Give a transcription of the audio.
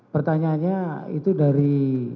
pertanyaannya itu dari